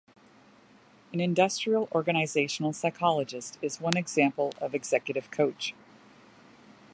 An industrial organizational psychologist is one example of executive coach.